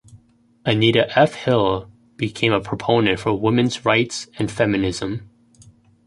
Anita F. Hill became a proponent for women's rights and feminism.